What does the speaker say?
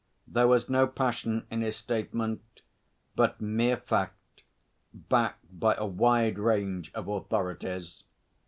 There was no passion in his statement, but mere fact backed by a wide range of authorities.